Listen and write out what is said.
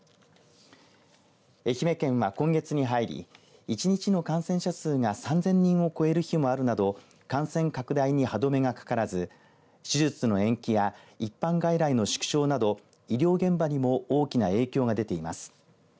愛媛県は、今月に入り１日の感染者数が３０００人を超える日もあるなど感染拡大に歯止めがかからず手術の延期や一般外来の縮小など医療現場にも大きな影響が出ています。